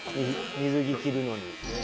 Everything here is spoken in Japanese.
水着着るのに。